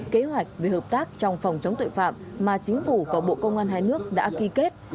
kế hoạch về hợp tác trong phòng chống tội phạm mà chính phủ và bộ công an hai nước đã ký kết